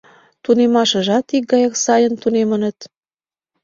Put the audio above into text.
Тунемашыжат икгаяк сайын тунемыныт.